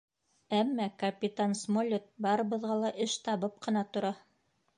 Әммә капитан Смолетт барыбыҙға ла эш табып ҡына тора.